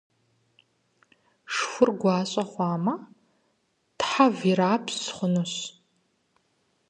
Шхур гуащӏэ хъуамэ, тхьэв ирупщ хъунущ.